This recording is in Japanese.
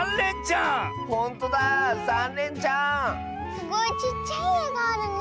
すごいちっちゃいえがあるね。